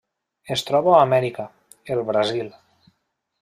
Es troba a Amèrica: el Brasil.